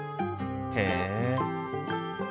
へえ！